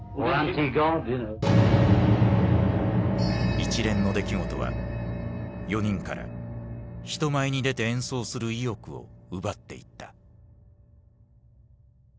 一連の出来事は４人から人前に出て演奏する意欲を奪っていった。